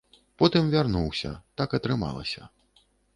Потым вярнуўся, так атрымалася.